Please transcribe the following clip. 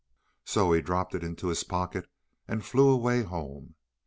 So he dropped it into his pocket and flew away home.